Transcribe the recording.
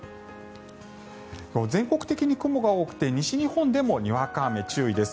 全国的に雲が多くて西日本でもにわか雨注意です。